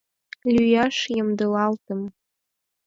Лӱяш ямдылалтым.